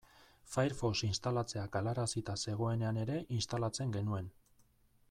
Firefox instalatzea galarazita zegoenean ere instalatzen genuen.